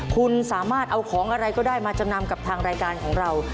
คุณสามารถเอาของอะไรก็ได้มาจำนำกับทางรายการของเรา